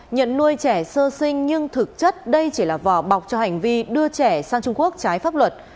nhận nuôi trẻ sơ sinh nhưng thực chất đây chỉ là vỏ bọc cho hành vi đưa trẻ sang trung quốc trái pháp luật